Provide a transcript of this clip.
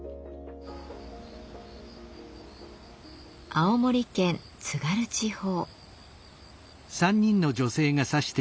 青森県津軽地方。